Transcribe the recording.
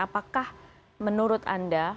apakah menurut anda